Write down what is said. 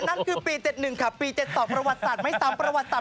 และนั่นคือปี๗๑ค่ะปี๗๒ประวัติศาสตร